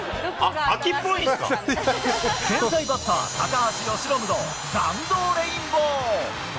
天才バッター、高橋由伸の弾道レインボー。